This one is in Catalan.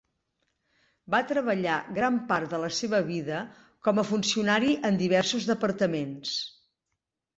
Va treballar gran part de la seva vida com a funcionari en diversos departaments.